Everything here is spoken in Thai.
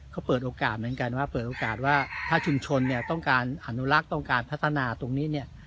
เขาเปิดโอกาสเหมือนกันว่าเปิดโอกาสว่าถ้าชุมชนเนี่ยต้องการอนุรักษ์ต้องการพัฒนาตรงนี้เนี่ย